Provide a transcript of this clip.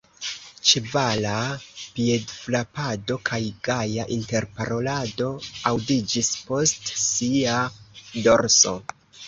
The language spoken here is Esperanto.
Ĉevala piedfrapado kaj gaja interparolado aŭdiĝis post lia dorso.